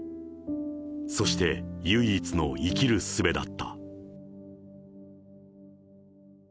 そして、唯一の生きるすべだった。